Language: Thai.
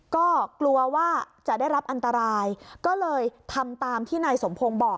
ก็กลัวว่าจะได้รับอันตรายก็เลยทำตามที่นายสมพงศ์บอก